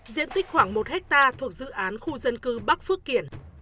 diện tích khoảng một hectare thuộc dự án khu dân cư bắc phước kiển